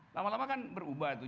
lama lama kan berubah tuh